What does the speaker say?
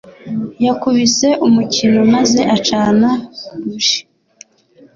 Yakubise umukino maze acana buji.